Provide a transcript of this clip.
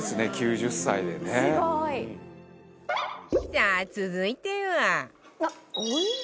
さあ続いては